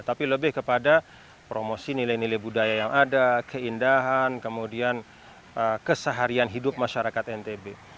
tapi lebih kepada promosi nilai nilai budaya yang ada keindahan kemudian keseharian hidup masyarakat ntb